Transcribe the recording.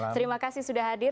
terima kasih sudah hadir